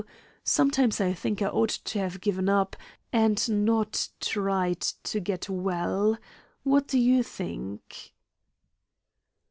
Sometimes I think I ought to have given up, and not tried to get well. What do you think?"